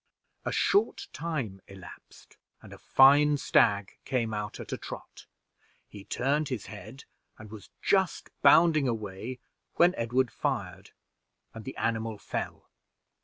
A short time elapsed, and a fine stag came out at a trot; he turned his head, and was just bounding away when Edward fired, and the animal fell.